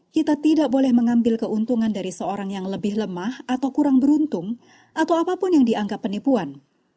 kita tidak boleh mengambil keuntungan dari seorang yang lebih lemah atau kurang beruntung atau apapun yang dianggap penipuan